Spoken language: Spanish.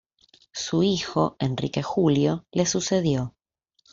Su hijo, Enrique Julio, le sucedió.